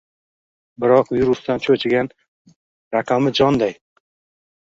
biroq virusdan choʼchigan ramaqijonday